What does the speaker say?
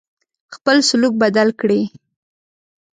خپل سلوک بدل کړی.